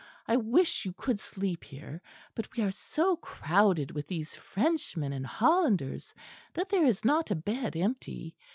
I wish you could sleep here; but we are so crowded with these Frenchmen and Hollanders that there is not a bed empty.